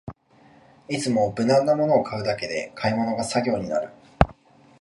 いつも無難なものを買うだけで買い物が作業になる